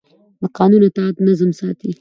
د قانون اطاعت نظم ساتي